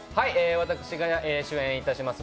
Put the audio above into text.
私が主演いたします